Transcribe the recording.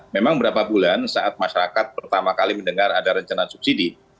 memang berapa bulan saat masyarakat pertama kali mendengar ada rencana subsidi